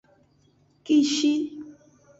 Kishi.